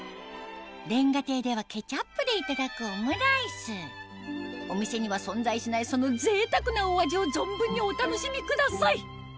瓦亭ではケチャップでいただくオムライスお店には存在しないそのぜいたくなお味を存分にお楽しみください！